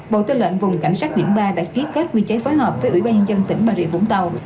bộ tư lệnh vùng cảnh sát biển ba đã ký kết quy chế phối hợp với ủy ban nhân dân tỉnh bà rịa vũng tàu